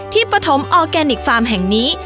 ปฐมออร์แกนิคฟาร์มแห่งนี้